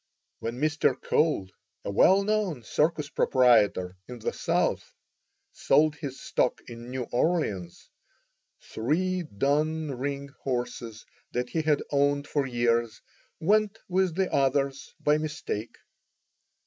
When Mr. Cole, a well known circus proprietor in the South, sold his stock in New Orleans, three dun ring horses that he had owned for years went with the others by mistake.